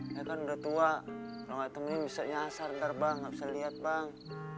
ya kan udah tua kalau gak temenin bisa nyasar ntar bang gak bisa lihat bang